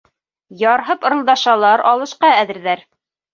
Ярһып ырылдашалар — алышҡа әҙерҙәр.